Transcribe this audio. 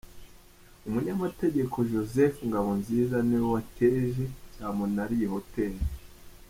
Umunyamategeko Joseph Ngabonziza ni we wateje cyamunara iyi hotel.